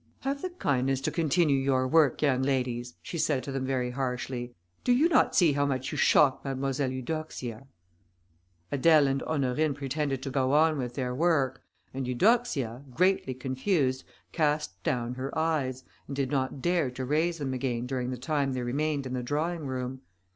"Have the kindness to continue your work, young ladies," she said to them, very harshly. "Do you not see how much you shock Mademoiselle Eudoxia?" Adèle and Honorine pretended to go on with their work, and Eudoxia, greatly confused, cast down her eyes, and did not dare to raise them again during the time they remained in the drawing room.